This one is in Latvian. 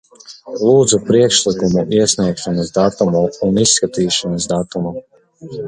Lūdzu priekšlikumu iesniegšanas datumu un izskatīšanas datumu.